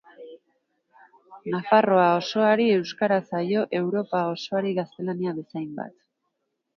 Nafarroa osoari euskara zaio Europa osoari gaztelania bezainbat.